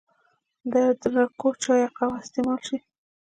د ادرکو چای يا قهوه استعمال شي